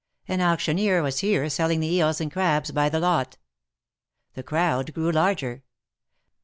An auctioneer was here selling the eels and crabs by the lot. The crowd grew larger.